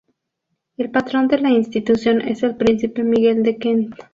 El patrón de la institución es el Príncipe Miguel de Kent.